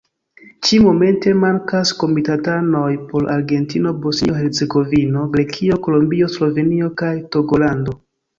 Ĉi-momente mankas komitatanoj por Argentino, Bosnio-Hercegovino, Grekio, Kolombio, Slovenio kaj Togolando.